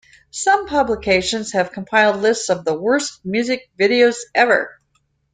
Some publications have compiled lists of the "worst" music videos ever.